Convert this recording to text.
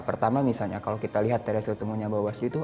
pertama misalnya kalau kita lihat dari hasil temuannya bawaslu itu